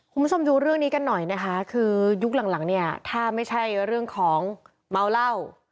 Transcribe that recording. คุณผู้ชมดูเรื่องนี้กันหน่อยนะคะคือยุคหลังหลังเนี่ยถ้าไม่ใช่เรื่องของเมาเหล้า